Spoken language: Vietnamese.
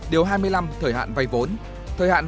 điều hai mươi năm thời hạn vay vốn